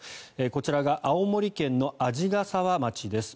こちらが青森県の鰺ヶ沢町です。